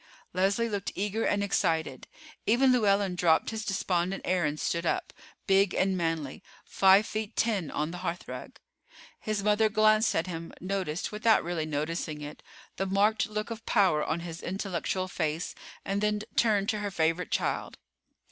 Leslie looked eager and excited. Even Llewellyn dropped his despondent air and stood up, big and manly, five feet ten, on the hearthrug. His mother glanced at him, noticed, without really noticing it, the marked look of power on his intellectual face, and then turned to her favorite child.